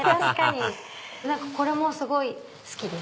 ハハハハこれもすごい好きです。